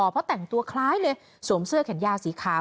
เพราะแต่งตัวคล้ายเลยสวมเสื้อแขนยาวสีขาว